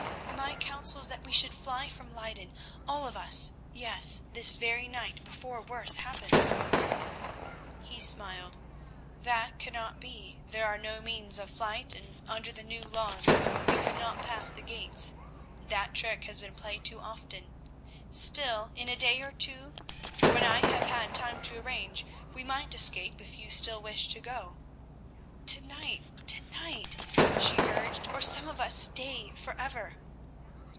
"My counsel is that we should fly from Leyden—all of us, yes, this very night before worse happens." He smiled. "That cannot be; there are no means of flight, and under the new laws we could not pass the gates; that trick has been played too often. Still, in a day or two, when I have had time to arrange, we might escape if you still wish to go." "To night, to night," she urged, "or some of us stay for ever."